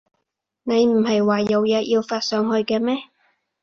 你唔喺話有嘢要發上去嘅咩？